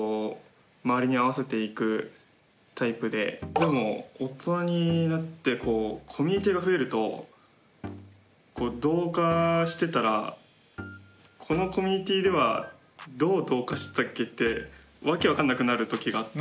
でも大人になってコミュニティーが増えると同化してたらこのコミュニティーではどう同化してたっけ？って訳分かんなくなる時があって。